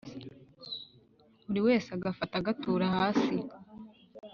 Buri wese agafata agatura hasi